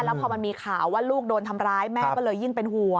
แล้วพอมันมีข่าวว่าลูกโดนทำร้ายแม่ก็เลยยิ่งเป็นห่วง